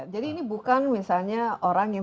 jadi ini bukan misalnya orang yang